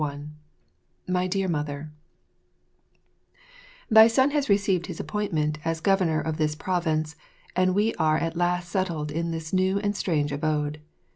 1 My Dear Mother, Thy son has received his appointment as governor of this province, and we are at last settled in this new and strange abode.